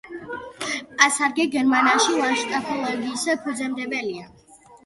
პასარგე გერმანიაში ლანდშაფტოლოგიის ფუძემდებელია.